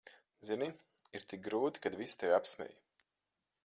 Zini, ir tik grūti, kad visi tevi apsmej.